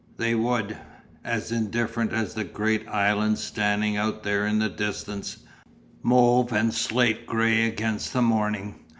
They would as indifferent as the great islands standing out there in the distance, mauve and slate grey against the morning.